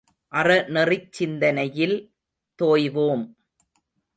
அறநெறிச் சிந்தனையில் தோய்வோம்.